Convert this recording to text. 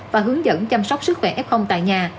và hướng dẫn chăm sóc sức khỏe f tại nhà